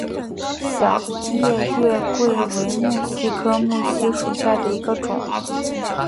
小叶月桂为木犀科木犀属下的一个种。